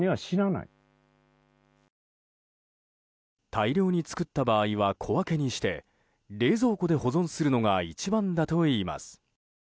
大量に作った場合は小分けにして冷蔵庫で保存するのが一番だといいます。